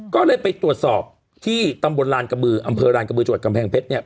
ก็เลยไปตรวจสอบที่ตำบลลานกระบืออำเภอลานกระบือจังหวัดกำแพงเพชรเนี่ย